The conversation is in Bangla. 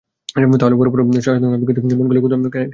তাহলে বড় বড় বস্তু সাধারণ আপেক্ষিকতা মানলে খুদে কণারা কেন মানবে না?